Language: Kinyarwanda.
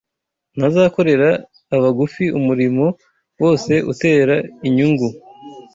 Ntazakorera abagufi Umurimo wose utera inyungu